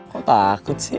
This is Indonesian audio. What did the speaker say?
kok takut sih